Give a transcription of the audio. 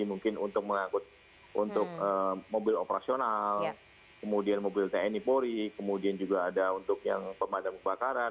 mungkin untuk mengangkut untuk mobil operasional kemudian mobil tni polri kemudian juga ada untuk yang pemadam kebakaran